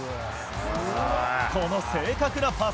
この正確なパス。